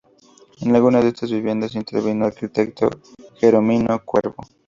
En algunas de estas viviendas intervino el arquitecto Gerónimo Cuervo.